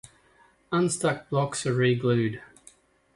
Unstuck blocks are re-glued.